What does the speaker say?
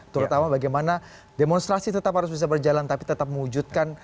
terutama bagaimana demonstrasi tetap harus bisa berjalan tapi tetap mewujudkan